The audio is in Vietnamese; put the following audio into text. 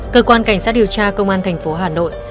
cơ quan cảnh sát điều tra công an thành phố hà nội